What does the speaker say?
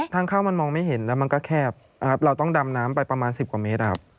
ทางเข้ามันมองไม่เห็นแล้วมันก็แคบเราต้องดำน้ำไปประมาณสิบกว่าเมตรอ่ะ